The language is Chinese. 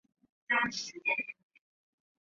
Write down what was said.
古代文人墨客纷纷前来瞻仰。